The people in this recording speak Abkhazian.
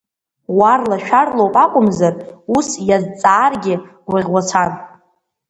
Уарла-шәарлоуп акәымзар, ус иазҵааргьы гәаӷьуацәан…